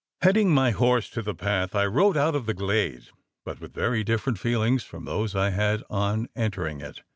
Heading my horse to the path, I rode out of the glade; but with very different feelings from those I had on entering it.